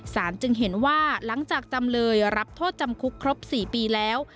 จึงเห็นว่าหลังจากจำเลยรับโทษจำคุกครบ๔ปีแล้ว